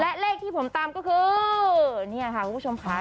และเลขที่ผมตามก็คือเนี่ยค่ะคุณผู้ชมค่ะ